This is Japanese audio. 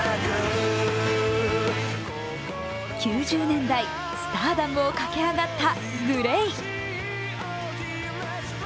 ９０年代、スターダムを駆け上がったＧＬＡＹ。